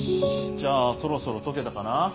じゃあそろそろ解けたかな？